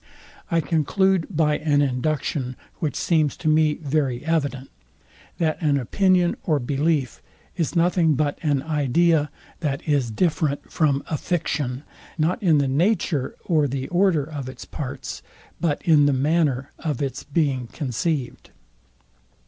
I conclude, by an induction which seems to me very evident, that an opinion or belief is nothing but an idea, that is different from a fiction, not in the nature or the order of its parts, but in the manner of its being conceived.